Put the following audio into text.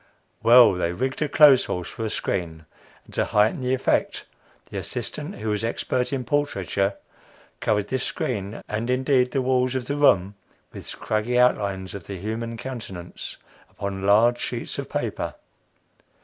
"Well, they rigged a clothes horse for a screen; and to heighten the effect, the assistant, who was expert in portraiture, covered this screen, and, indeed, the walls of the room, with scraggy outlines of the human countenance upon large sheets of paper.